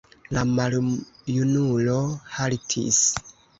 La maljunulo haltis.